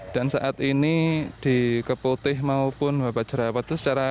dan saat ini di keputih maupun babat jerawat itu secara